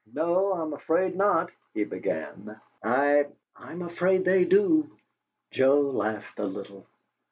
"No, I'm afraid not," he began. "I " "I'm afraid they do!" Joe laughed a little.